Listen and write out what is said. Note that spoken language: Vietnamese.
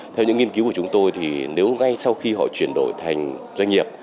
theo những nghiên cứu của chúng tôi thì nếu ngay sau khi họ chuyển đổi thành doanh nghiệp